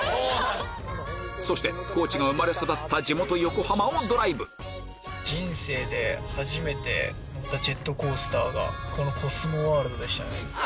そして地が生まれ育った地元横浜をドライブ人生で初めて乗ったジェットコースターがこのコスモワールドでしたね。